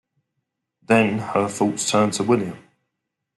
Then her thoughts turned to William.